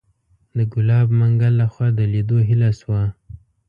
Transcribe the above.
د ګلاب منګل لخوا د لیدو هیله شوه.